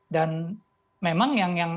dan memang yang